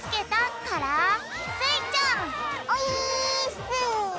オィーッス！